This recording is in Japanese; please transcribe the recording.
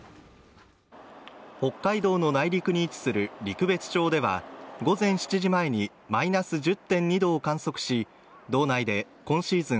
北海道の内陸に位置する陸別町では午前７時前にマイナス１０．２度を観測し道内で今シーズン